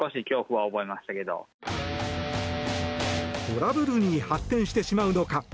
トラブルに発展してしまうのか。